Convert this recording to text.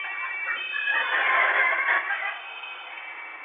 范晖向威胜节度使董昌求援。